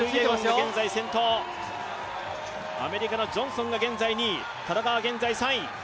アメリカのジョンソンが現在２位、田中は現在３位。